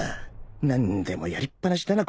何でもやりっ放しだな